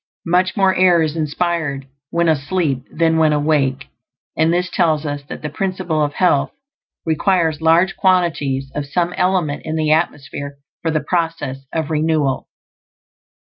Much more air is inspired when asleep than when awake, and this tells us that the Principle of Health requires large quantities of some element in the atmosphere for the process of renewal.